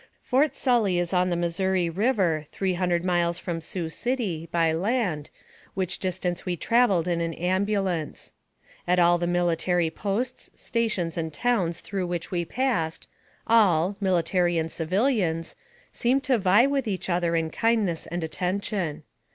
Fort Sully is on the Missouri River, three hundred miles from Sioux City, by land, which distance we traveled in an ambulance. At all the military posts, stations, and towns through which we passed, all mil itary and civilians seemed to vie with each other in kindness and attention.